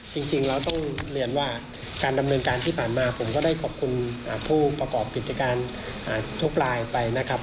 จริงแล้วต้องเรียนว่าการดำเนินการที่ผ่านมาผมก็ได้ขอบคุณผู้ประกอบกิจการทุกรายไปนะครับ